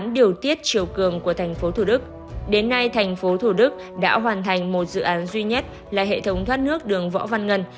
đến nay tp thủ đức đã hoàn thành một dự án duy nhất là hệ thống thoát nước đường võ văn ngân